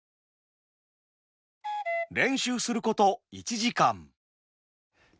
練習すること１時間。